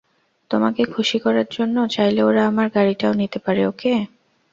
তোমাকে খুশি করার জন্য, চাইলে ওরা আমার গাড়িটাও নিতে পারে, ওকে?